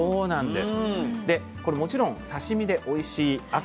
でこれもちろん刺身でおいしいあ